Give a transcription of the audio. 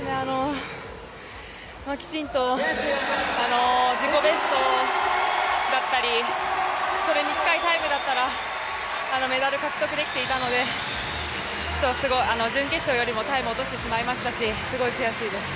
きちんと自己ベストだったりそれに近いタイムだったらメダル獲得できていたので準決勝よりもタイムを落としてしまいましたしすごい悔しいです。